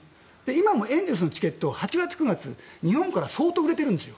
今もエンゼルスのチケット８月、９月日本から相当、売れてるんです。